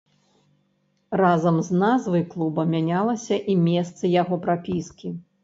Разам з назвай клуба мянялася і месца яго прапіскі.